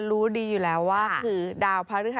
สสสสสสสสส